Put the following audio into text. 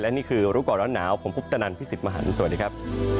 และนี่คือรุ่นก่อนร้อนหนาวผมภุตนันทร์พี่ศิษย์มหันธ์สวัสดีครับ